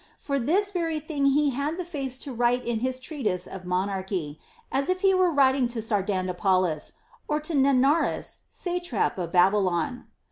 For this very thing he had the face to write in his treatise of Monarchy, as if he were writing to Sardanapalus, or to Nanarus satrap of Babylon.